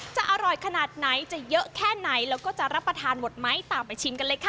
จะอร่อยขนาดไหนจะเยอะแค่ไหนแล้วก็จะรับประทานหมดไหมตามไปชิมกันเลยค่ะ